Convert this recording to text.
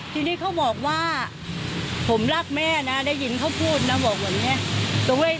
ทีนี้เขาบอกว่าผมรักแม่นะได้ยินเขาพูดนะบอกแบบนี้